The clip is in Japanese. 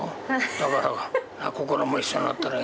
だから心も一緒になったらいい。